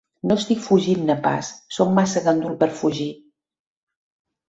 No estic fugint-ne pas, soc massa gandul per fugir.